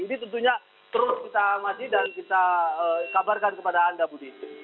ini tentunya terus kita amati dan kita kabarkan kepada anda budi